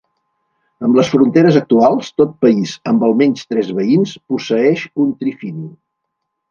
Amb les fronteres actuals, tot país amb almenys tres veïns posseeix un trifini.